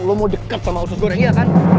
lo mau deket sama usus goreng iya kan